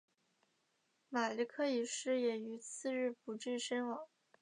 马立克一世也于次日不治身亡。